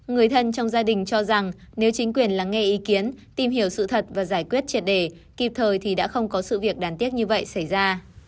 người thân trong gia đình cho rằng nếu chính quyền lắng nghe ý kiến tìm hiểu sự thật và giải quyết triệt đề kịp thời thì đã không có sự việc đáng tiếc như vậy xảy ra